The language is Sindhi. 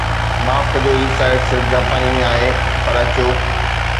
معاف ڪجو هي سائيٽ صرف جاپاني ۾ آهي پر اچو